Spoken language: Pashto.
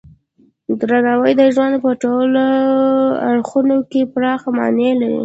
درناوی د ژوند په ټولو اړخونو کې پراخه معنی لري.